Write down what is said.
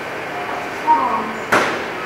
Ɣremt!